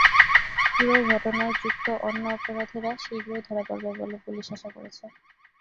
পুরো ঘটনায় যুক্ত অন্য অপরাধীরা শিগগিরই ধরা পড়বেন বলে পুলিশ আশা করছে।